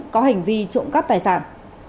có hành vi trộm cắp tài sản